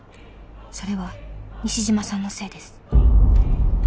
「それは西島さんのせいです」